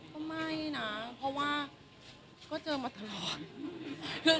ก็ไม่นะเพราะว่าก็เจอมาตลอด